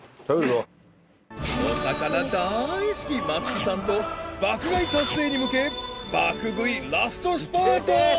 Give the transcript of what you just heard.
［お魚大好き松木さんと爆買い達成に向け爆食いラストスパート］